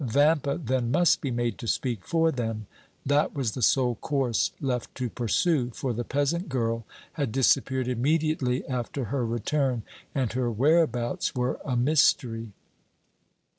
Vampa then must be made to speak for them; that was the sole course left to pursue, for the peasant girl had disappeared immediately after her return, and her whereabouts were a mystery.